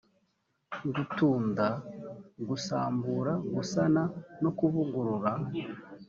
gutunda gusambura gusana no kuvugurura